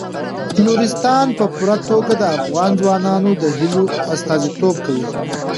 نورستان په پوره توګه د افغان ځوانانو د هیلو استازیتوب کوي.